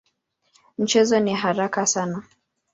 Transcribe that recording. Mchezo ni haraka sana.